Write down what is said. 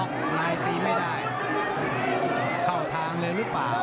หน่อยตีไม่ได้เข้าทางเลยรึเปล่า